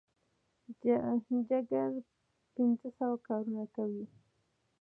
جګر پنځه سوه کارونه کوي.